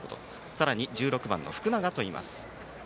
さらに１６番の福永といます。